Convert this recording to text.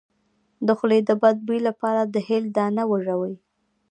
د خولې د بد بوی لپاره د هل دانه وژويئ